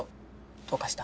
どうかした？